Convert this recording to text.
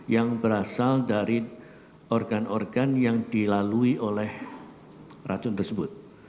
yang berasal dari organ organ yang dilalui oleh racun tersebut